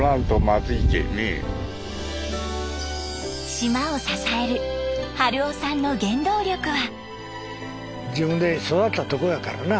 島を支える春生さんの原動力は。